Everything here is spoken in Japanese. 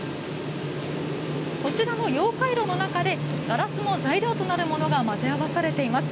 こちらの溶解炉の中でガラスの材料となるものが混ぜ合わさっています。